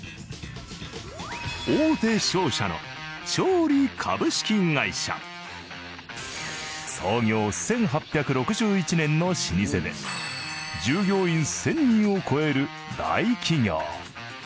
大手商社の創業１８６１年の老舗で従業員１０００人を超える大企業。